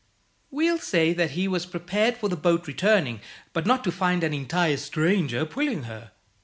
We'll say that he was prepared for the boat returning, but not to find an entire stranger pulling her.